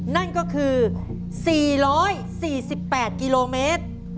นั่นก็คือ๔๔๘กิโลเมตร